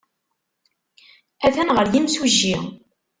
Atan ɣer yimsujji.